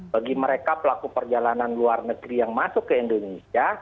bagi mereka pelaku perjalanan luar negeri yang masuk ke indonesia